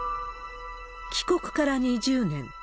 帰国から２０年。